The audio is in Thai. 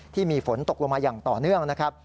ที่มีฝนตกลงมาอย่างต่อเนื่องนะครับ